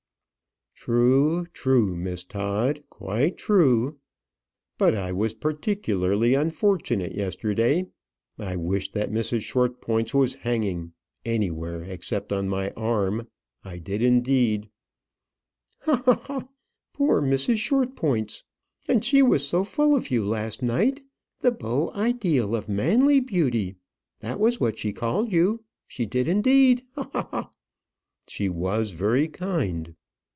"True, true, Miss Todd; quite true. But I was particularly unfortunate yesterday. I wished that Mrs. Shortpointz was hanging anywhere except on my arm. I did, indeed." "Ha! ha! ha! Poor Mrs. Shortpointz! And she was so full of you last night. The beau ideal of manly beauty! that was what she called you. She did indeed. Ha! ha! ha!" "She was very kind."